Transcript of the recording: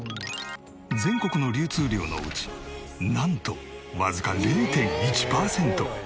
全国の流通量のうちなんとわずか０．１パーセント。